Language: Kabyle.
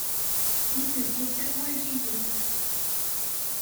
Nitenti d tiɣwaliyin.